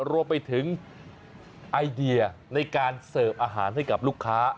รวมไปถึงไอเดียในการเสิร์ฟอาหารให้กับลูกค้า